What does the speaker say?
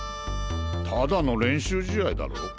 ただの練習試合だろ？